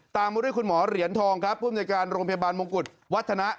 มาด้วยคุณหมอเหรียญทองครับผู้อำนวยการโรงพยาบาลมงกุฎวัฒนะ